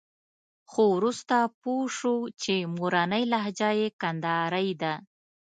خو وروسته پوه شو چې مورنۍ لهجه یې کندارۍ ده.